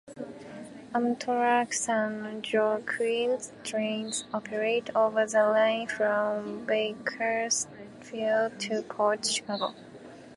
Amtrak "San Joaquins" trains operate over the line from Bakersfield to Port Chicago.